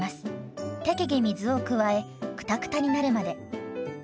適宜水を加えクタクタになるまで。